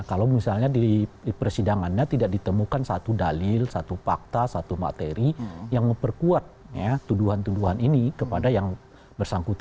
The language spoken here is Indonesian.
kalau misalnya di persidangannya tidak ditemukan satu dalil satu fakta satu materi yang memperkuat